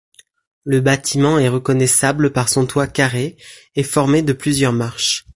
Le bâtiment est reconnaissable par son toit carré, et formé de plusieurs marches.